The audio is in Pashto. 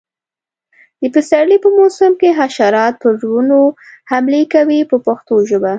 د پسرلي په موسم کې حشرات پر ونو حملې کوي په پښتو ژبه.